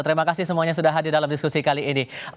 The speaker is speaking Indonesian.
terima kasih semuanya sudah hadir dalam diskusi kali ini